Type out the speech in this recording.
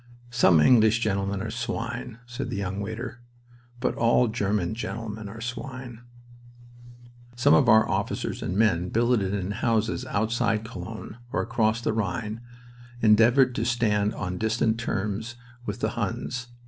"Some English gentlemen are swine," said the young waiter. "But all German gentlemen are swine." Some of our officers and men billeted in houses outside Cologne or across the Rhine endeavored to stand on distant terms with the "Huns."